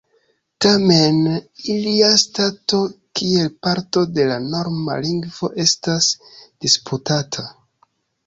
Tamen ilia stato kiel parto de la norma lingvo estas disputata.